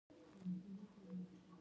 تاته چا وېل چې پې ځایه خبرې وکړه.